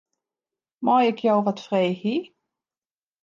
Mei ik jo wat freegje?